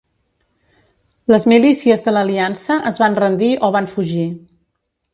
Les milícies de l'Aliança es van rendir o van fugir.